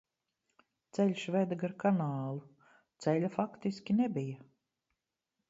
Ceļš veda gar kanālu, ceļa faktiski nebija.